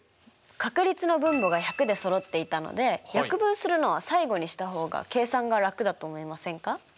確率の分母が１００でそろっていたので約分するのは最後にした方が計算が楽だと思いませんか？